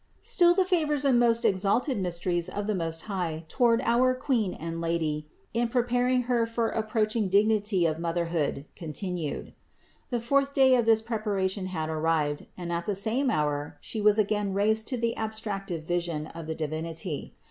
38. Still the favors and most exalted mysteries of the Most High toward our Queen and Lady in preparing Her for approaching dignity of Motherhood continued. The fourth day of this preparation had arrived and at the same hour She was again raised to the abstractive vision of the Divinity.